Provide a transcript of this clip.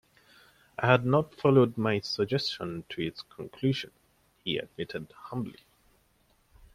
"I had not followed my suggestion to its conclusion," he admitted humbly.